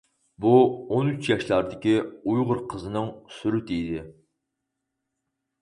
بۇ ئون ئۈچ ياشلاردىكى ئۇيغۇر قىزىنىڭ سۈرىتى ئىدى.